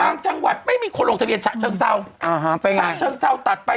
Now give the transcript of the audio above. จังหวัดไม่มีคนลงทะเบียนฉะเชิงเศร้าอ่าฮะไปฉะเชิงเซาตัดไป